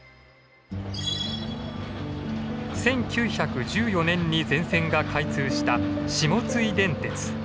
１９１４年に全線が開通した下津井電鉄。